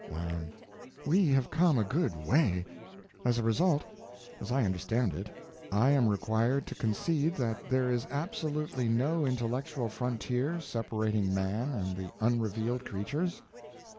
Y.M. We have come a good way. As a result—as I understand it—I am required to concede that there is absolutely no intellectual frontier separating Man and the Unrevealed Creatures?